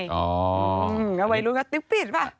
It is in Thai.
อ๋องั้นไว้รู้ที่ว่าติ๊บปิดป่ะ